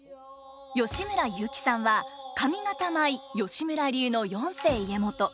吉村雄輝さんは上方舞吉村流の四世家元。